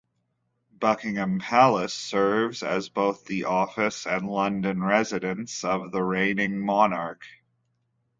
Buckingham Palace serves as both the office and London residence of the reigning monarch.